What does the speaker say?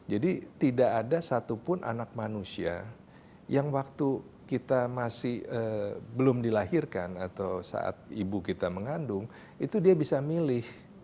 jadi tidak ada satupun anak manusia yang waktu kita masih belum dilahirkan atau saat ibu kita mengandung itu dia bisa milih